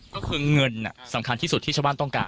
ก็คือเงินสำคัญที่สุดที่ชาวบ้านต้องการ